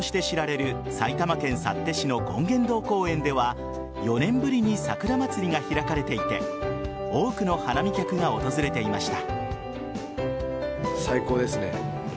桜の名所として知られる埼玉県幸手市の権現堂公園では４年ぶりに桜まつりが開かれていて多くの花見客が訪れていました。